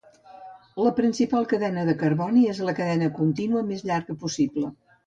La principal cadena de carboni és la cadena contínua més llarga possible.